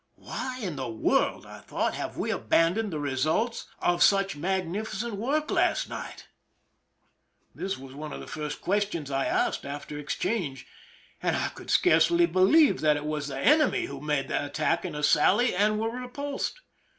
" Why in the world," I thought, " have we aban doned the results of such magnificent work last 280 PEISON LIFE THE SIEGE night ?" This was one of the first questions I asked after exchange, and I could scarcely believe that it was the enemy who made the attack in a sally and were repulsed.